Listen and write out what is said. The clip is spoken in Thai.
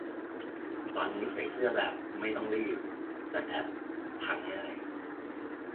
ตอนนี้ใส่เสื้อแบบไม่ต้องรีด แต่แอบพังง่าย